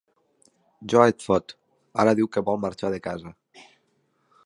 Jo et fot, ara diu que vol marxar de casa!